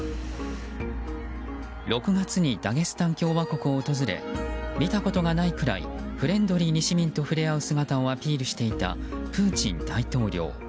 ６月にダゲスタン共和国を訪れ見たことがないくらいフレンドリーに市民とふれあう姿をアピールしていたプーチン大統領。